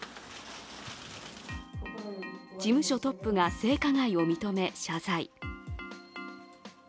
事務所トップが性加害を認め謝罪。